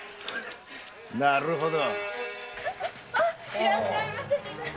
なるほど。